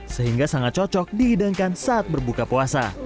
sehingga sangat cocok dihidangkan saat berbuka puasa